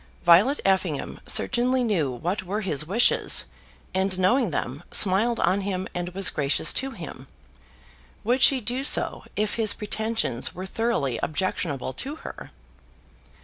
Violet Effingham certainly knew what were his wishes, and knowing them, smiled on him and was gracious to him. Would she do so if his pretensions were thoroughly objectionable to her?